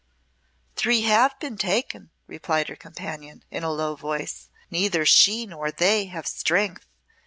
"Three have been taken," replied her companion, in a low voice. "Neither she nor they have strength.